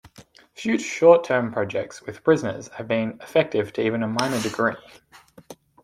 Few short-term projects with prisoners have been effective to even a minor degree.